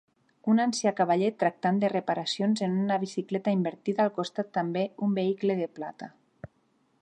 Un ancià cavaller tractant de reparacions en una bicicleta invertida al costat també un vehicle de plata.